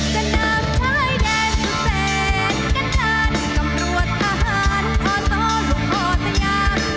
กระนามชายแดนสุดเสร็จกันด้านคำพรวจทหารพ่อต้อหลวงพ่อสยาม